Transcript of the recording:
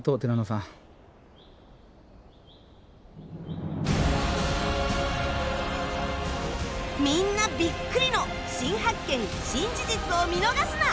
みんなビックリの新発見・新事実を見逃すな！